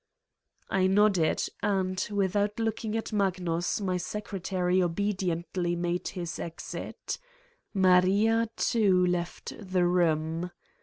I nodded and, without looking at Magnus, my secretary obediently made his exit. Maria, too, left the room.